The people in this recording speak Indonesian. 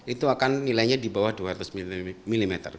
itu akan nilainya di bawah dua ratus mm